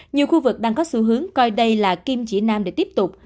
nhiều khu vực đang có xu hướng coi đây là kim chỉ nam để tiếp tục